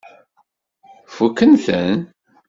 Fukken-ten?